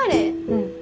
うん。